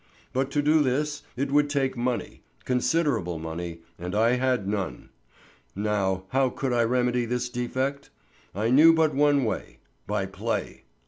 But to do this it would take money—considerable money, and I had none. Now how could I remedy this defect? I knew but one way—by play.